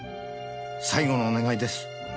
最後のお願いです」